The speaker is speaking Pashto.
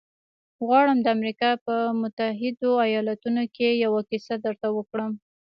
غواړم د امریکا په متحدو ایالتونو کې یوه کیسه درته وکړم